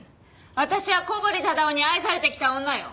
私は小堀忠夫に愛されてきた女よ。